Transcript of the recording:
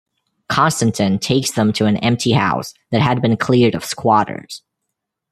Constantine takes them to an empty house that had been cleared of squatters.